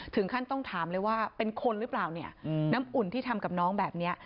ถึงขั้นต้องถามเลยว่าเป็นคนหรือเปล่าเนี่ยน้ำอุ่นที่ทำกับน้องแบบนี้